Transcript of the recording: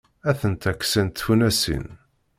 Atent-a ksant tfunasin.